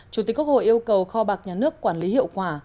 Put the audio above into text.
chủ tịch quốc hội yêu cầu kho bạc nhà nước quản lý hiệu quả